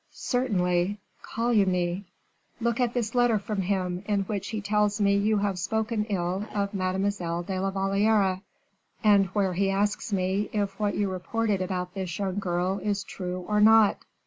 "Certainly calumny. Look at this letter from him, in which he tells me you have spoken ill of Mademoiselle de la Valliere; and where he asks me, if what you reported about this young girl is true or not.